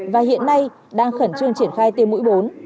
và hiện nay đang khẩn trương triển khai tiêm mũi bốn